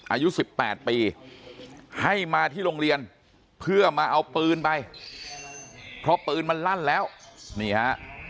อายุ๑๘ปีให้มาที่โรงเรียนเพื่อมาเอาปืนไปเพราะปืนมันลั่นแล้วนี่ฮะ